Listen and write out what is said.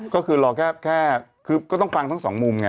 ก็คือรอแค่คือก็ต้องฟังทั้งสองมุมไง